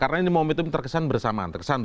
karena ini momentum terkesan bersamaan